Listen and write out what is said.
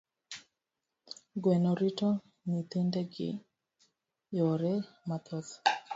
Gweno rito nyithinde gi yore mathoth.